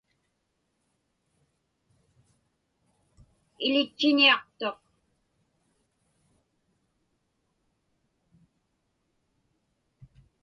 Iḷitchiniaqtuq.